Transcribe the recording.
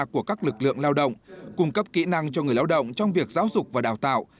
của các lực lượng lao động cung cấp kỹ năng cho người lao động trong việc giáo dục và đào tạo